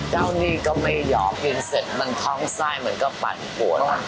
เจ้านี่ก็ไม่หยอกยินเสร็จมันท้องไส้มันก็ปั่นปวดอ่ะ